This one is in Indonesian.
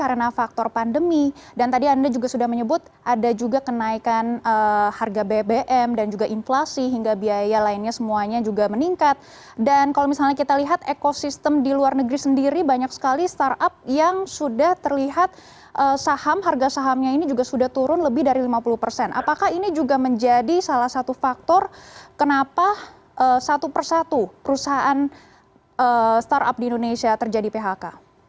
apakah ini juga menjadi salah satu faktor kenapa satu persatu perusahaan startup di indonesia terjadi phk